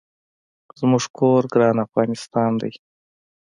زمونږ کور ګران افغانستان دي